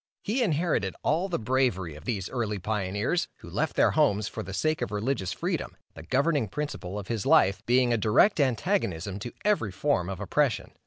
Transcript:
He inherited all the bravery of these early pioneers, who left their homes for the sake of religious freedom, the governing principle of his life being a direct antagonism to every form of oppression.